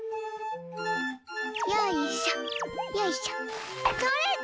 よいしょよいしょとれた！